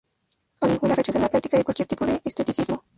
Orihuela rechaza la práctica de cualquier tipo de esteticismo.